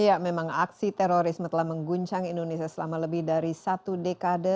ya memang aksi terorisme telah mengguncang indonesia selama lebih dari satu dekade